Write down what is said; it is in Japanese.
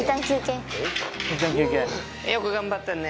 よく頑張ったね。